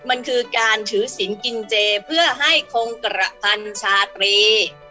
มันคือการถือศิลป์กินเจเพื่อให้คงกระพันชาตรี